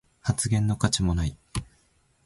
発言の価値もない